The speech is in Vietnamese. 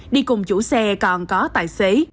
đi cùng chủ xe còn có tài xế